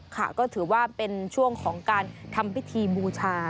ค่ะก็ถือว่าเป็นช่วงของการทำพิธีบูชา